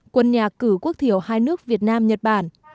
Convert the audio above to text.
quân nhà cử quốc thiểu hai nước việt nam nhật bản